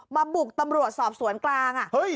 บุกตำรวจสอบสวนกลาง